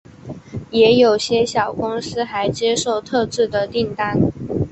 也有些小公司还接受特制的订单。